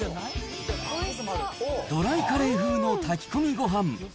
ドライカレー風の炊き込みご飯。